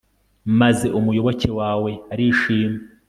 maze umuyoboke wawe arishima